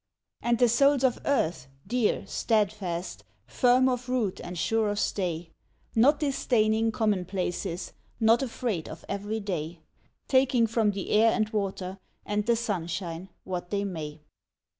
And the souls of Earth, dear, steadfast, firm of root and sure of stay, Not disdaining commonplaces, not afraid of every day, Taking from the air and water and the sunshine what they may.